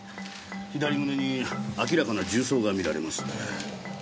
左胸に明らかな銃創が見られます。